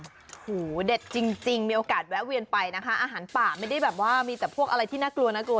โอ้โหเด็ดจริงมีโอกาสแวะเวียนไปนะคะอาหารป่าไม่ได้แบบว่ามีแต่พวกอะไรที่น่ากลัวน่ากลัว